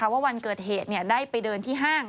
ว่าวันเกิดเหตุได้ไปเดินที่ห้าง